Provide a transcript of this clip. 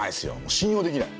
信用できない。